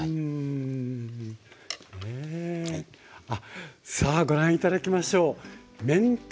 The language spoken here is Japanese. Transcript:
あっさあご覧頂きましょう。